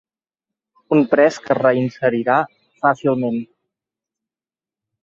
Un pres que es reinserirà fàcilment.